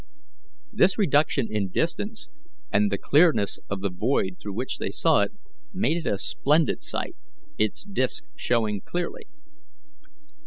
This reduction in distance, and the clearness of the void through which they saw it, made it a splendid sight, its disk showing clearly.